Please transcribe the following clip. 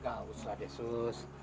nggak usah deh sus